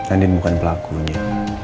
andin bukan pelakunya